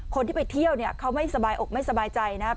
คนที่ไปเที่ยวเนี่ยเขาไม่สบายอกไม่สบายใจนะครับ